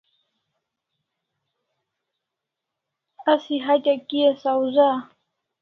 Asi hatya kia sawza